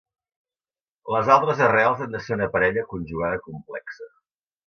Les altres arrels han de ser una parella conjugada complexa.